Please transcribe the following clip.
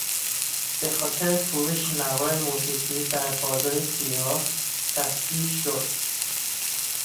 به خاطر فروش نوار موسیقی در بازار سیاه دستگیر شد.